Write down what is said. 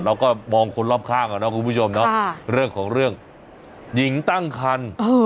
เราก็มองคนรอบข้างอ่ะเนาะคุณผู้ชมเนาะเรื่องของเรื่องหญิงตั้งคัน